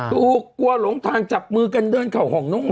กลัวหลงทางจับมือกันเดินเข้าห้องน้อง